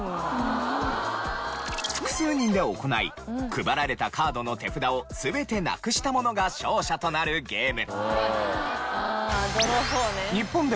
複数人で行い配られたカードの手札を全てなくした者が勝者となるゲーム。